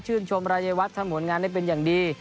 ชื่นชมรายวัตถ์ทำงานที่เป็นอย่างดี